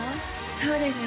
そうですね